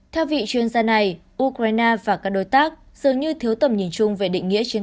theo vị chuyên gia này ukraine và các đối tác dường như thiếu tầm nhìn chung về định nghĩa chiến